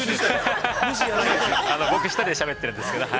◆僕、１人でしゃべってるんですけど。